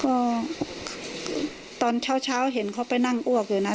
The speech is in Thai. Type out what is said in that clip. ก็ตอนเช้าเห็นเขาไปนั่งอ้วกอยู่นะ